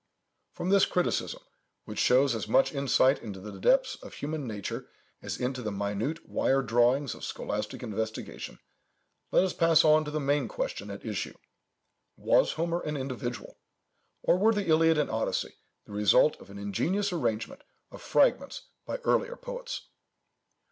From this criticism, which shows as much insight into the depths of human nature as into the minute wire drawings of scholastic investigation, let us pass on to the main question at issue. Was Homer an individual? or were the Iliad and Odyssey the result of an ingenious arrangement of fragments by earlier poets?